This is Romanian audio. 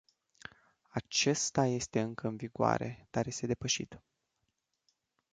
Acesta este încă în vigoare, dar este depășit.